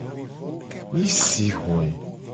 Mi si hoe.